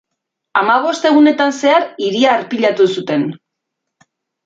Hamabost egunetan zehar hiria harpilatu zuten.